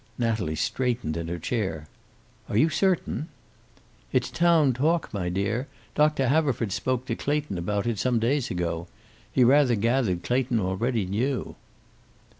Natalie straightened in her chair. "Are you certain?" "It's town talk, my dear. Doctor Haverford spoke to Clayton about it some days ago. He rather gathered Clayton already knew."